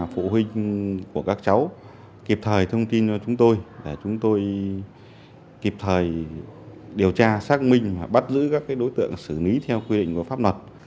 phụ huynh của các cháu kịp thời thông tin cho chúng tôi để chúng tôi kịp thời điều tra xác minh và bắt giữ các đối tượng xử lý theo quy định của pháp luật